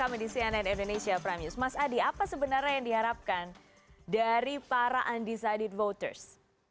mas adi apa sebenarnya yang diharapkan dari para undecided voters